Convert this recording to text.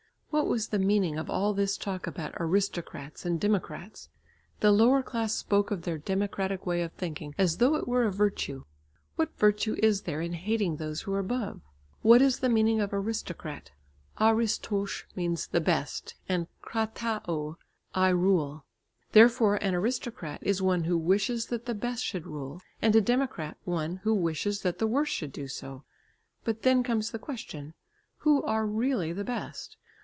What was the meaning of all this talk about aristocrats and democrats? The lower class spoke of their democratic way of thinking, as though it were a virtue. What virtue is there in hating those who are above? What is the meaning of "aristocrat"? Αριστος means the best, and κρατέω "I rule." Therefore an aristocrat is one who wishes that the best should rule and a democrat one who wishes that the worst should do so. But then comes the question: Who are really the best?